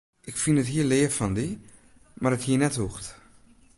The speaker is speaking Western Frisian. Ik fyn it hiel leaf fan dy, mar it hie net hoegd.